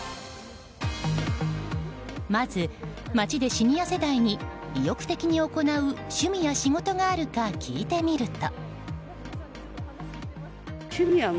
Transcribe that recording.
まず、街でシニア世代に意欲的に行う趣味や仕事があるか聞いてみると。